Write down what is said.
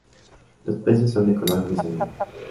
Los peces son de color gris a negro.